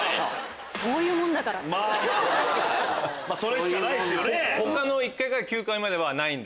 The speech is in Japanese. それしかないっすよね。